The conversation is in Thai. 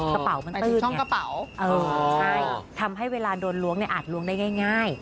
กระเป๋ามันคือช่องกระเป๋าใช่ทำให้เวลาโดนล้วงเนี่ยอาจล้วงได้ง่าย